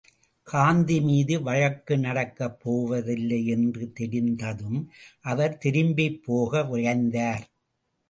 காந்தி மீது வழக்கு நடக்கப் போவதில்லை என்று தெரிந்ததும், அவர் திரும்பிப் போக விழைந்தார்.